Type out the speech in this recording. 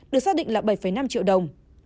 được xác định là bảy năm triệu đồng